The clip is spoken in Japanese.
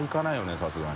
さすがに。